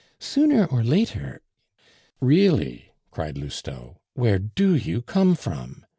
Sooner or later " "Really!" cried Lousteau, "where do you come from?